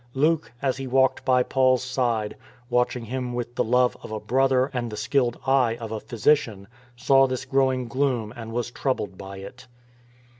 Luke, as he walked by Paul's side, watching him with the love of a brother and the skilled eye of a physician, saw this growing gloom and was troubled by it.